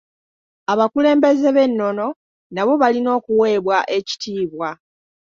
Abakulembeze b'ennono nabo balina okuweebwa ekitiibwa.